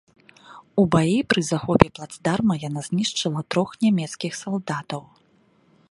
У баі пры захопе плацдарма яна знішчыла трох нямецкіх салдатаў.